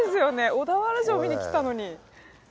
小田原城見に来たのに。